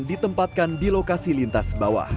ditempatkan di lokasi lintas bawah